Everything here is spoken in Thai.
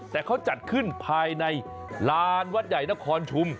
แต่เขาจัดขึ้นภายในลานวัดใหญ่นครชุม